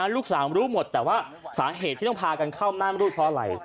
ลูกสาวรู้หมดแต่ว่าสาเหตุที่ต้องพากันเข้าม่านรูดเพราะอะไร